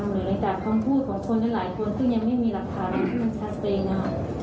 หรือหลังจากความพูดของคนหลายคนซึ่งยังไม่มีหลักฐานการสั่งเตรียมนะครับ